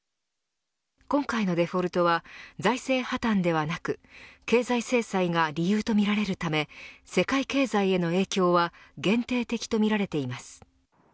今回のデフォルトは財政破綻ではなく経済制裁が理由とみられるため世界経済への影響は限定的とみられています。